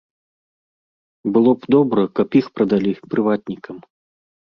Было б добра, каб іх прадалі прыватнікам.